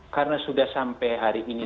karena sudah sampai hari ini